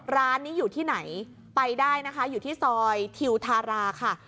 ร้านนี้อยู่ที่ไหนไปได้นะคะอยู่ที่ซอยทิวทาราค่ะ